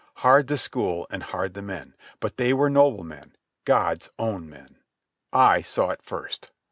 Hard the school, and hard the men, but they were noble men, God's own men. I saw it first.